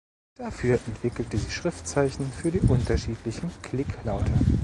Dafür entwickelte sie Schriftzeichen für die unterschiedlichen Klicklaute.